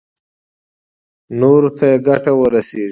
نورو ته يې ګټه ورسېږي.